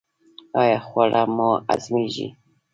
ایا خواړه مو هضمیږي؟